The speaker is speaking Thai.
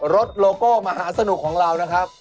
โลโก้มหาสนุกของเรานะครับ